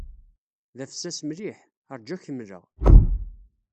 D afessas mliḥ. Ṛju ad ak-mleɣ.